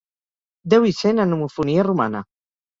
Déu hi sent en homofonia romana.